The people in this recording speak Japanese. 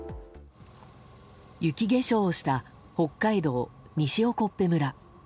雪化粧をした北海道西興部村。